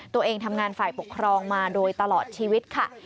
ตัวเองทำงานฝ่ายปกครองมาโดยตลอดชีวิตค่ะ